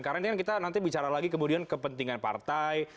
karena ini kan kita nanti bicara lagi kemudian kepentingan partai